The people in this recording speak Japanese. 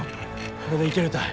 これでいけるたい。